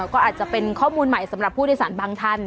ก็อาจจะเป็นข้อมูลใหม่สำหรับผู้โดยสารบางท่าน